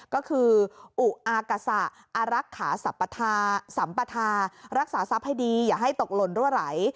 ก็คืออุอากษะอารักษาสัมปทารักษาทรัพย์ให้ดีอย่าให้ตกหล่นรั่วไหล